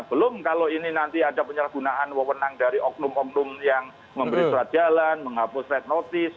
belum kalau ini nanti ada penyelenggaraan dari oknum oknum yang memberi peradjalan menghapus red notice